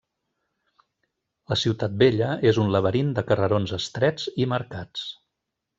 La ciutat vella és un laberint de carrerons estrets i mercats.